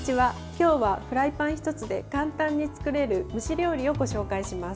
今日はフライパン１つで簡単に作れる蒸し料理です。